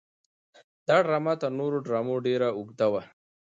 دا ډرامه تر نورو ډرامو ډېره اوږده وه.